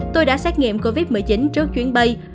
tôi đã xét nghiệm covid một mươi chín trước chuyến bay